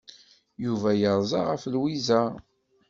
Yuba yerza ɣef Lwiza.